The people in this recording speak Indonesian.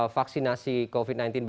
vaksinasi covid sembilan belas bagian lainnya